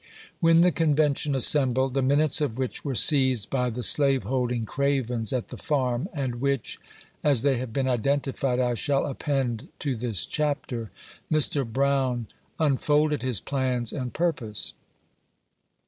When the Convention assembled, the minutes of which were seized by the slaveholding "cravens" at the Farm, and which, as they have been identified, I shall append to this chapter, Mr. Brown unfolded his plans and purpose.